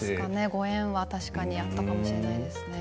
ご縁は確かにあったかもしれないですね。